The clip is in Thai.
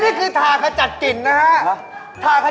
โอ้โฮอยู่ได้อย่างไรน่ะ